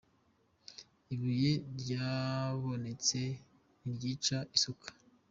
Ibuye ryabonetse ntiryica isuka.